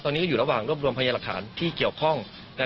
ตอนนี้ก็อยู่ระหว่างรวบรวมพยานหลักฐานที่เกี่ยวข้อง